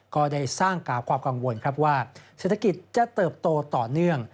ก็ได้สร้างความกังวลครับว่าเศรษฐกิจจะเติบโตต่อเนื่อง